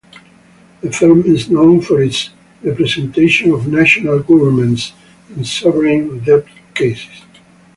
The firm is known for its representation of national governments in sovereign-debt cases.